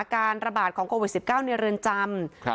การระบาดของโควิด๑๙ในเรือนจำ